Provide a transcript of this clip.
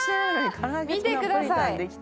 見てください。